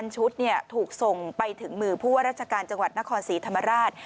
ชุดถูกส่งไปถึงมือผู้ว่าราชการจังหวัดนครศรีธรรมราช